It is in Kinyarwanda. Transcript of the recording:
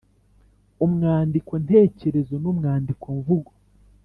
umwandiko ntekerezo n’umwandiko mvugo